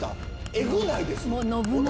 エグないです？